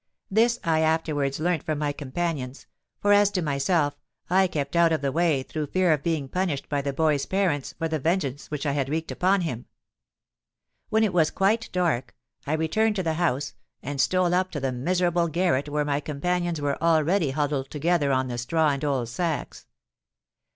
This I afterwards learnt from my companions; for, as to myself, I kept out of the way through fear of being punished by the boy's parents for the vengeance which I had wreaked upon him. When it was quite dark, I returned to the house, and stole up to the miserable garret where my companions were already huddled together on the straw and old sacks.